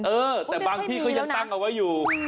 เออแต่บางที่ก็ยังตั้งเอาไว้อยู่